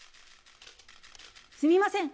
すみません。